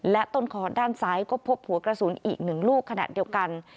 และต้นคอด้านซ้ายก็พบหัวกระสุนอีก๑ลูกขนาดเดียวกัน